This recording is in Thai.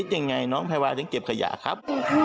ฟังน้องตอบ